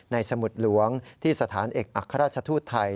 สมุดหลวงที่สถานเอกอัครราชทูตไทย